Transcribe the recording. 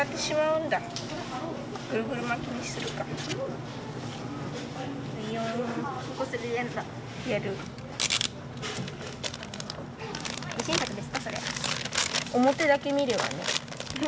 表だけ見ればね。